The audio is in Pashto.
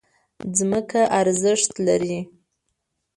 ځمکه ارزښت لري.